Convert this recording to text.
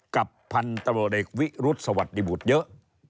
กับพันธบเด็กวิรุษสวัสดิบุตรเยอะ